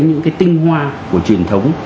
những cái tinh hoa của truyền thống